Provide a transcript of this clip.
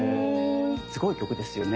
すごい曲ですよね。